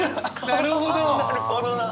なるほどな！